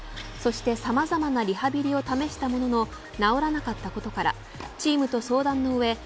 そして、さまざまなリハビリを試したものの治らなかったことからチームと相談のうえ